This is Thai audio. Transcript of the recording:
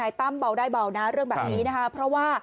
ก็ตอบได้คำเดียวนะครับ